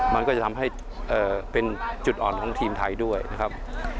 มันก็จะทำให้เป็นจุดอ่อนของทีมไทยด้วยนะครับ